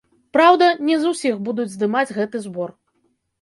Праўда, не з усіх будуць здымаць гэты збор.